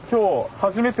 初めて。